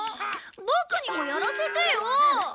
ボクにもやらせてよ！